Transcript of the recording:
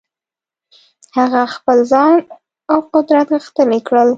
هغه خپل ځان او قدرت غښتلي کړل.